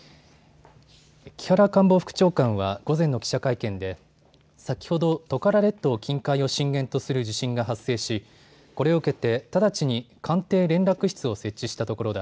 木原官房副長官は午前の記者会見で先ほどトカラ列島近海を震源とする地震が発生しこれを受けて直ちに官邸連絡室を設置したところだ。